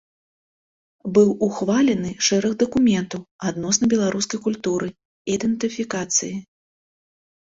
Быў ухвалены шэраг дакументаў адносна беларускай культуры, ідэнтыфікацыі.